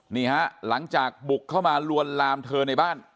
นี่ฮะหลังจากบุกเข้ามาลวนลามเธอในบ้าน